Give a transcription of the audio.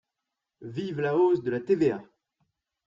Vive la hausse de la TVA